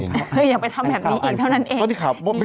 อย่าไปทำแบบนี้อีกเท่านั้นเอง